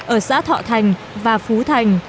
ở xã thọ thành và phú thành